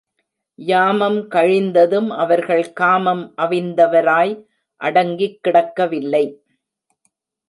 யாமம் கழிந்தும் அவர்கள் காமம் அவிந்தவராய் அடங்கிக் கிடக்கவில்லை.